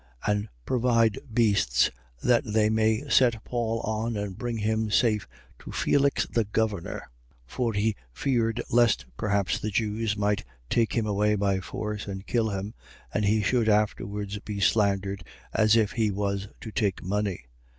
23:24. And provide beasts, that they may set Paul on and bring him safe to Felix the governor. 23:25. (For he feared lest perhaps the Jews might take him away by force and kill him: and he should afterwards be slandered, as if he was to take money.)